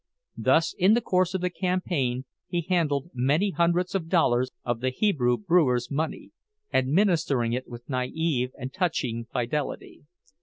Thus in the course of the campaign he handled many hundreds of dollars of the Hebrew brewer's money, administering it with naïve and touching fidelity.